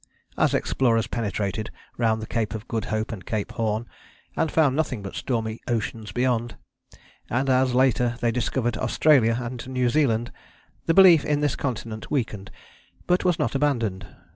As explorers penetrated round the Cape of Good Hope and Cape Horn, and found nothing but stormy oceans beyond, and as, later, they discovered Australia and New Zealand, the belief in this continent weakened, but was not abandoned.